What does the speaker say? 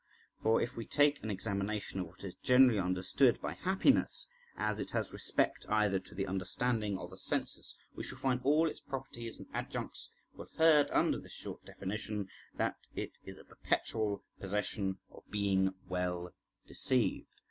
For if we take an examination of what is generally understood by happiness, as it has respect either to the understanding or the senses we shall find all its properties and adjuncts will herd under this short definition, that it is a perpetual possession of being well deceived.